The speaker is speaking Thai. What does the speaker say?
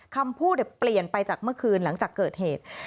คำพูดเปลี่ยนไปจากเมื่อคืนหลังจากเกิดเหตุ